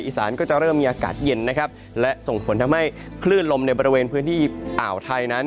อีสานก็จะเริ่มมีอากาศเย็นนะครับและส่งผลทำให้คลื่นลมในบริเวณพื้นที่อ่าวไทยนั้น